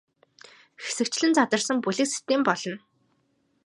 Хэсэгчлэн задарсан бүлэг систем болно.